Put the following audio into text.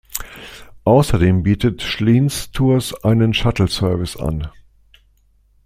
Außerdem bietet Schlienz-Tours einen Shuttle-Service an.